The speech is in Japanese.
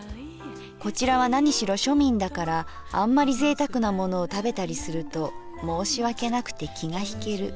こちらは何しろ庶民だからあんまりぜいたくなものを食べたりすると申し訳なくて気がひける。